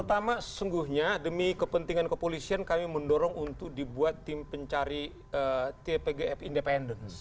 pertama sesungguhnya demi kepentingan kepolisian kami mendorong untuk dibuat tim pencari tpgf independen